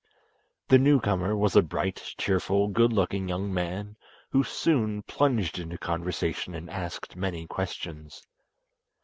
The newcomer was a bright, cheerful, good looking young man, who soon plunged into conversation and asked many questions.